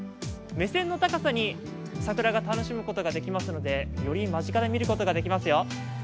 目線の高さに桜が楽しむことができますのでより間近で見ることができますよ。